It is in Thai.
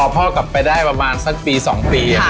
ไปได้ประมาณ๑ปี๒ปี